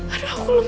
aduh aku lemes